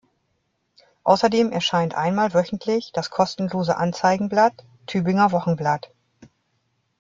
Außerdem erscheint einmal wöchentlich das kostenlose Anzeigenblatt Tübinger Wochenblatt.